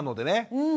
うん。